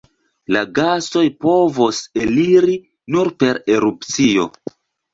La gasoj povos eliri nur per erupcio.